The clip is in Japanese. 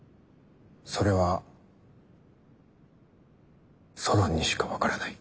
それはソロンにしか分からない。